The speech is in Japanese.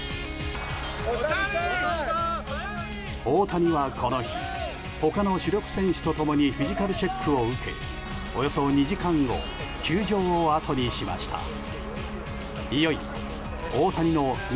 大谷はこの日他の主力選手と共にフィジカルチェックを受けおよそ２時間後球場を後にしました。